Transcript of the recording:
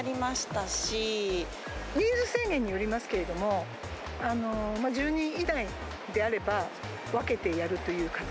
人数制限によりますけれども、１０人以内であれば、分けてやるという形。